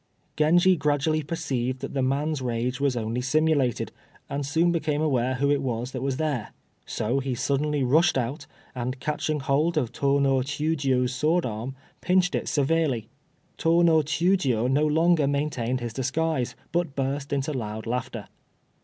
Genji gradually perceived that the man's rage was only simulated, and soon became aware who it was that was there; so he suddenly rushed out, and catching hold of Tô no Chiûjiô's sword arm, pinched it severely. Tô no Chiûjiô no longer maintained his disguise, but burst into loud laughter.